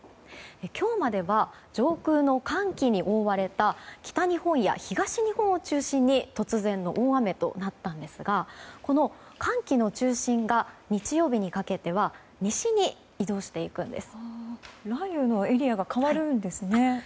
今日までは上空の寒気に覆われた北日本や東日本を中心に突然の大雨となったんですがこの寒気の中心が日曜日にかけては西に移動していくんです。